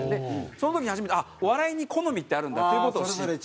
その時に初めて笑いに好みってあるんだっていう事を知って。